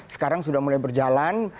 sekarang sudah mulai berjalan